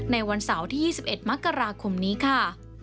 ในวันเสาร์ที่๒๑มกราคมนี้ค่ะ